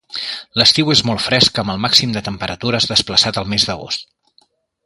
L'estiu és molt fresc amb el màxim de temperatures desplaçat al mes d'agost.